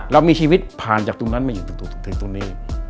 เรามีชีวิตผ่านจากตรงนั้นมาอยู่ถึงตรงนี้